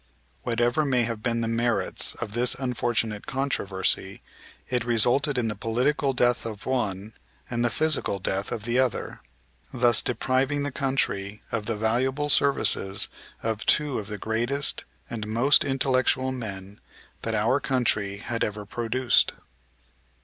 Whatever may have been the merits of this unfortunate controversy, it resulted in the political death of one and the physical death of the other; thus depriving the country of the valuable services of two of the greatest and most intellectual men that our country had ever produced.